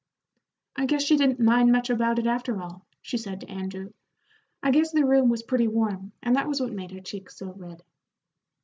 "I guess she didn't mind much about it, after all," she said to Andrew. "I guess the room was pretty warm, and that was what made her cheeks so red."